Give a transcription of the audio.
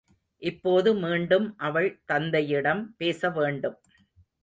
இப்போது மீண்டும் அவள் தந்தையிடம் பேசவேண்டும்.